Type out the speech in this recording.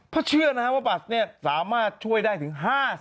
เพราะเชื่อนะครับว่าบัตรสามารถช่วยได้ถึง๕๐